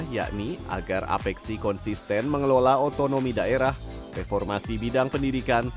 yakni agar apeksi konsisten mengelola otonomi daerah reformasi bidang pendidikan